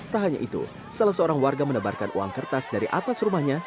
tak hanya itu salah seorang warga menebarkan uang kertas dari atas rumahnya